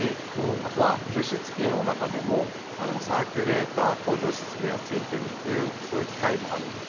あとは除湿機の中でもサーキュレーターと除湿機がついているっていうそういう機械もあります。